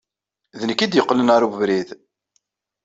D nekk ay d-yeqqlen ɣer webrid.